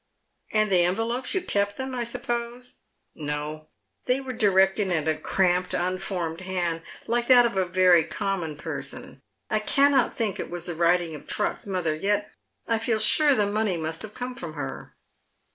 "And the envelopes, you kept them, I suppose? "•* No, they were directed in a cramped unformed hand, like that of a veiy common person. I cannot think that it was the •writing of Trot's mother, yet I feel sure the money must have come from her."